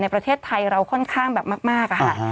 ประเทศไทยเราค่อนข้างแบบมาก